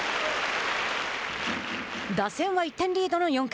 打線は１点リードの４回。